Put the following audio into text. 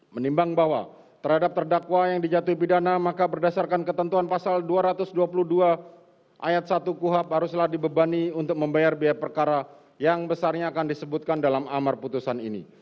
menimbang bahwa terhadap terdakwa yang dijatuhi pidana maka berdasarkan ketentuan pasal dua ratus dua puluh dua ayat satu kuhab haruslah dibebani untuk membayar biaya perkara yang besarnya akan disebutkan dalam amar putusan ini